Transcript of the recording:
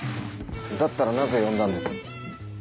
だったらなぜ呼んだんです？